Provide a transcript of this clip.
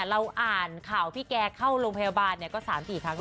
เราอ่านข่าวพี่แกเข้าโรงพยาบาลก็๓๔ครั้ง